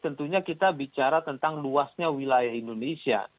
tentunya kita bicara tentang luasnya wilayah indonesia